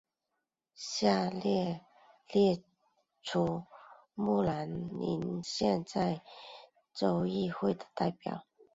下表列出慕亚林县在州议会的代表。